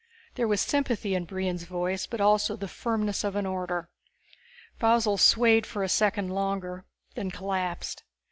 There was sympathy in Brion's voice but also the firmness of an order. Faussel swayed for a second longer, then collapsed.